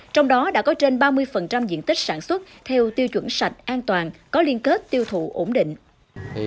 trong đó đã có trên ba mươi diện tích sản xuất theo tiêu chuẩn sạch an toàn có liên kết tiêu thụ ổn định